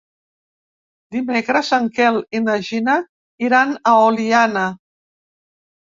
Dimecres en Quel i na Gina iran a Oliana.